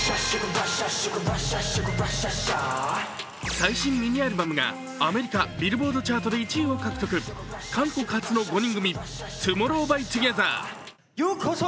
最新ミニアルバムがアメリカビルボードチャートで１位を獲得韓国発の５人組ＴＯＭＯＲＲＯＷＸＴＯＧＥＴＨＥＲ。